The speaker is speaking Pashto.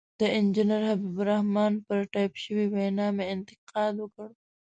د انجنیر حبیب الرحمن پر ټایپ شوې وینا مې انتقاد وکړ.